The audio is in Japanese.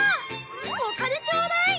お金ちょうだい！